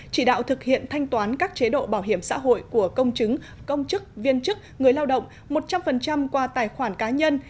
chỉ đạo thực hiện thanh toán các chế độ bảo hiểm xã hội của công chứng công chức viên chức người lao động một trăm linh qua tài khoản cá nhân